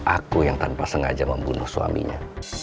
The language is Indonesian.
aku yang tanpa sengaja membunuh suaminya